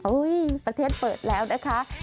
ประเทศเปิดแล้วนะคะ